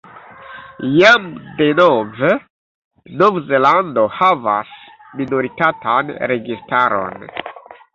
Jam denove Nov-Zelando havas minoritatan registaron.